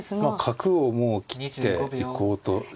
角をもう切って行こうとして。